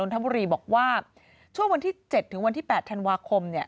บอกว่าช่วงวันที่๗ถึงวันที่๘ธันวาคมเนี่ย